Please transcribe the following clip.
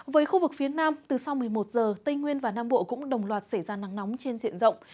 với khu vực phía nam từ sau một mươi một giờ tây nguyên và nam bộ cũng đồng loạt xảy ra nắng nóng trên diện rộng